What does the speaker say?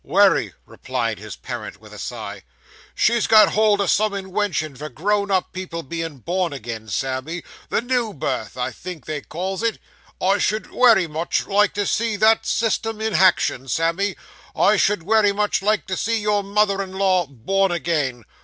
'Wery,' replied his parent, with a sigh. 'She's got hold o' some inwention for grown up people being born again, Sammy the new birth, I think they calls it. I should wery much like to see that system in haction, Sammy. I should wery much like to see your mother in law born again.